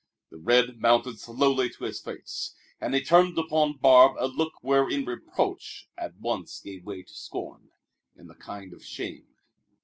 The red mounted slowly to his face, and he turned upon Barbe a look wherein reproach at once gave way to scorn and a kind of shame.